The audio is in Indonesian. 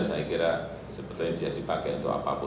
saya kira sebetulnya bisa dipakai untuk apapun